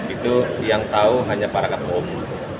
itu yang tahu hanya para ketua umum